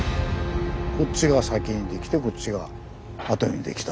こっちが先にできてこっちがあとにできた。